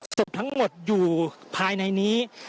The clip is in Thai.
ศพทั้งหมดอยู่ภายในนี้